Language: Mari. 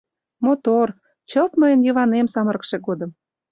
— Мотор, чылт мыйын Йыванем самырыкше годым.